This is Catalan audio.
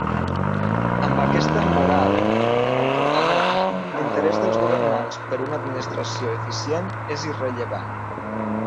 Amb aquesta «moral» de comportament, l'interés dels governants per una administració eficient és irrellevant.